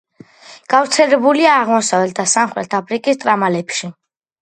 გავრცელებულია აღმოსავლეთ და სამხრეთ აფრიკის ტრამალებში.